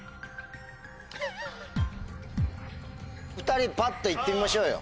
２人パッと言ってみましょうよ。